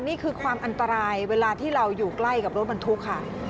นี่คือความอันตรายเวลาที่เราอยู่ใกล้กับรถบรรทุกค่ะ